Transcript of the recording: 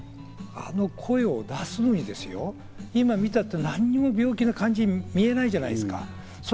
だってあの声を出すのにですよ、今見たって、何も病気な感じに見えないじゃないですか。